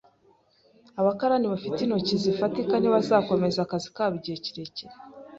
Abakarani bafite intoki zifatika ntibazakomeza akazi kabo igihe kirekire.